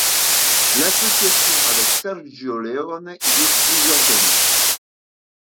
L'association avec Sergio Leone dure plusieurs années.